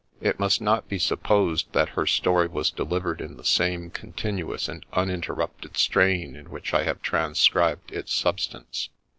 It must not be supposed that her story was delivered in the same con tinuous and uninterrupted strain in which I have transcribed its substance.